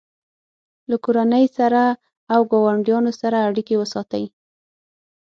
له کورنۍ، دوستانو او ګاونډیانو سره اړیکې وساتئ.